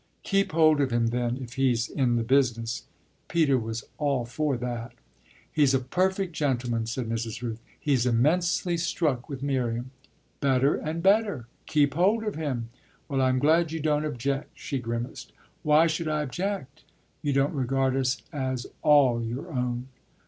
"Keep hold of him then, if he's in the business," Peter was all for that. "He's a perfect gentleman," said Mrs. Rooth. "He's immensely struck with Miriam." "Better and better. Keep hold of him." "Well, I'm glad you don't object," she grimaced. "Why should I object?" "You don't regard us as all your own?"